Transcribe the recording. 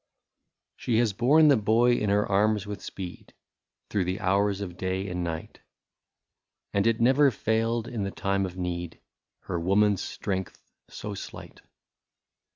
She has borne the boy in her arms with speed, I |Through the hours of day and night, And it never failed in the time of need, — Her woman's strength so sUght.